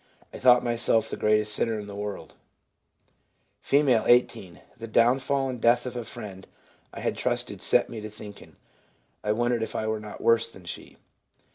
I thought myself the greatest sinner in the world.' F., 18. 'The downfall and death of a friend I had trusted set me to thinking ; I wondered if I were not worse than she.'